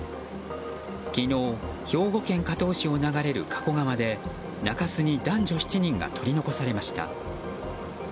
昨日、兵庫県加東市を流れる加古川で中州に男女７人が取り残されました。